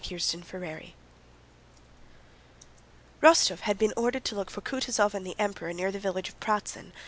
CHAPTER XVIII Rostóv had been ordered to look for Kutúzov and the Emperor near the village of Pratzen.